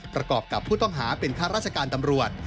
ประกอบกับผู้ต้องหาเป็นข้าราชการตำรวจ